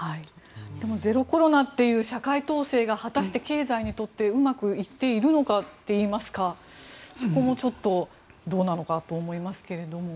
でもゼロコロナという社会体制が果たして、経済にとってうまくいっているのかっていいますかそこもちょっとどうなのかと思いますけども。